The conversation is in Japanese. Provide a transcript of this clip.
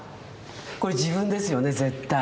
これ自分ですよね絶対。